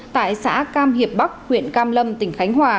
tại xã cam hiệp bắc huyện cam lâm tỉnh khánh hòa